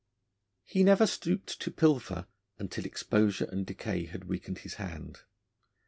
He never stooped to pilfer, until exposure and decay had weakened his hand.